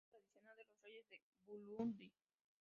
Lista tradicional de los reyes de Burundi.